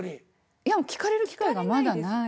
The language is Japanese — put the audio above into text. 聞かれる機会がまだない。